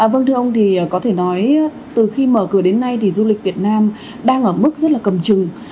vâng thưa ông thì có thể nói từ khi mở cửa đến nay thì du lịch việt nam đang ở mức rất là cầm trừng